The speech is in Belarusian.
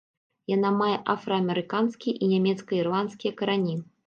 Яна мае афраамерыканскія і нямецка-ірландскія карані.